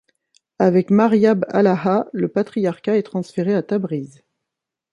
Avec Mar Yab-Alaha, le Patriarcat est transféré à Tabriz.